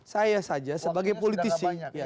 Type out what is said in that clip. saya saja sebagai politisi